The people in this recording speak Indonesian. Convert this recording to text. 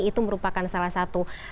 itu merupakan salah satu